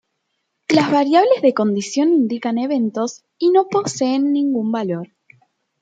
Las variables de condición indican eventos, y no poseen ningún valor.